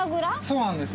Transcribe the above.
そうなんです。